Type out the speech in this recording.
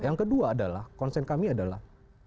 yang kedua adalah konsen kami adalah